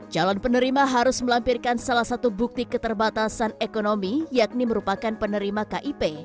calon penerima harus melampirkan salah satu bukti keterbatasan ekonomi yakni merupakan penerima kip